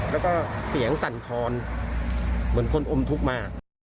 แล้วก็เสียงสั่นคอนเหมือนคนอมทุกข์มา